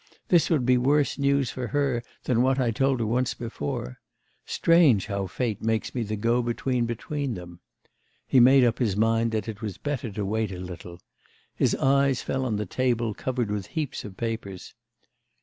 This would be worse news for her than what I told her once before; strange how fate makes me the go between between them!' He made up his mind that it was better to wait a little. His eyes fell on the table covered with heaps of papers...